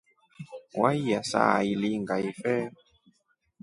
Waiya saailinga ife.